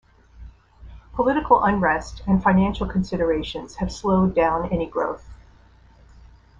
Political unrest and financial considerations have slowed down any growth.